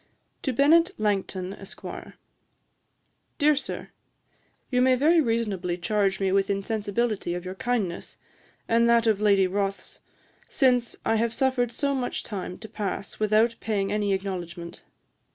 To BENNET LANGTON, ESQ. 'Dear Sir, You may very reasonably charge me with insensibility of your kindness, and that of Lady Rothes, since I have suffered so much time to pass without paying any acknowledgement.